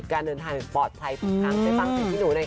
การเดินทางปลอดภัยทุกครั้งในฝั่งสิทธิ์ที่หนูนะคะ